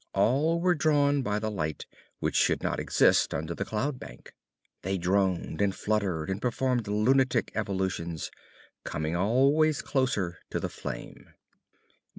All were drawn by the light which should not exist under the cloud bank. They droned and fluttered and performed lunatic evolutions, coming always closer to the flame.